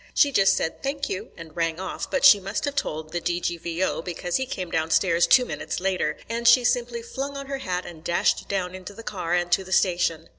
She just said 'Thank you,' and rang off; but she must have told the D.G.V.O., because he came downstairs two minutes later. And she simply flung on her hat and dashed down into the car and to the station."